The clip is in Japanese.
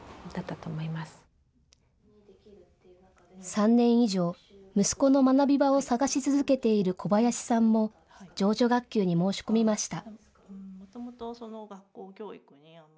３年以上、息子の学び場を探し続けている小林さんも情緒学級に申し込みました。